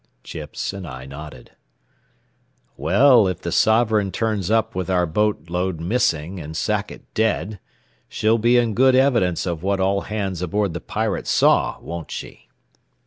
Chips and I nodded. "Well, if the Sovereign turns up with our boat load missing and Sackett dead, she'll be in good evidence of what all hands aboard the Pirate saw, won't she?"